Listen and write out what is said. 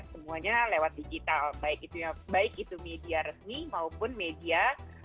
semuanya lewat digital baik itu media resmi maupun media